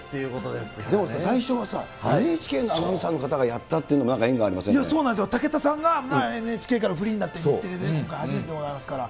でもさ、最初のさ、ＮＨＫのアナウンサーの方がやったっていうのはなんか縁がありまそうなんです、武田さんがＮＨＫからフリーになって、日テレで初めてでございますから。